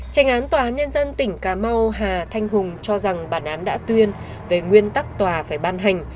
tranh án tòa án nhân dân tỉnh cà mau hà thanh hùng cho rằng bản án đã tuyên về nguyên tắc tòa phải ban hành